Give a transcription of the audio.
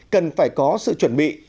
cần phải có sự chuẩn bị